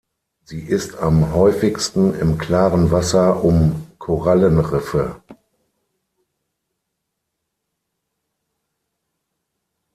Sie ist am häufigsten im klaren Wasser um Korallenriffe.